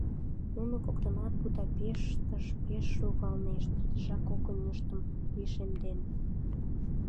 Нуно коктынат Будапештыш пеш логалнешт, тидыжак когыньыштым лишемден.